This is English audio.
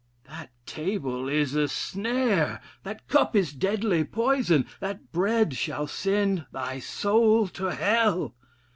"That table is a snare, that cup is deadly poison that bread shall send thy soul to Hell.